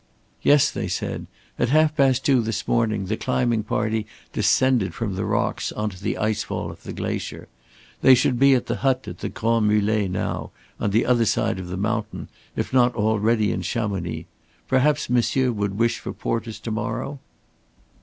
"Yes," they said. "At half past two this morning, the climbing party descended from the rocks on to the ice fall of the glacier. They should be at the hut at the Grands Mulets now, on the other side of the mountain, if not already in Chamonix. Perhaps monsieur would wish for porters to morrow."